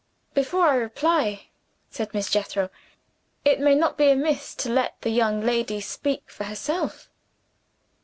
"Before I reply," said Miss Jethro, "it may not be amiss to let the young lady speak for herself."